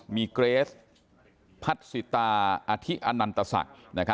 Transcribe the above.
มีเกรสพัสิตาอธิอนันตศักดิ์